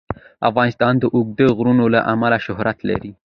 افغانستان د اوږده غرونه له امله شهرت لري.